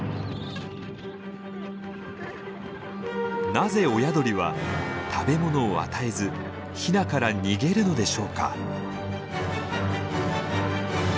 なぜ親鳥は食べ物を与えずヒナから逃げるのでしょうか？